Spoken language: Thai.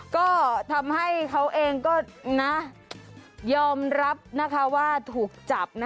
ก็ทำให้เขาเองก็ยอมรับว่าถูกจับ